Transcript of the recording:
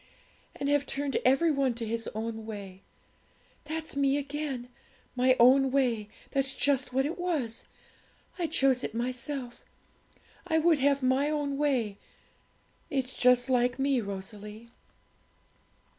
"And have turned every one to his own way;" that's me again, my own way, that's just what it was; I chose it myself; I would have my own way. It's just like me, Rosalie.'